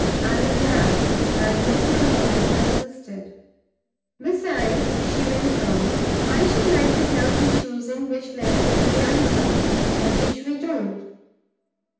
Allan laughed, and Miss Milroy persisted. "Besides," she went on, "I should like to help in choosing which letters we answer, and which we don't.